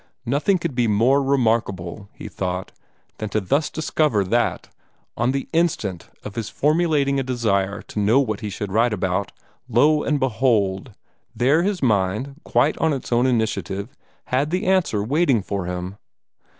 Nothing could be more remarkable, he thought, than to thus discover that, on the instant of his formulating a desire to know what he should write upon, lo, and behold! there his mind, quite on its own initiative, had the answer waiting for him!